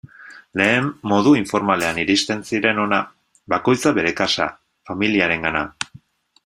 Lehen modu informalean iristen ziren hona, bakoitza bere kasa, familiarengana...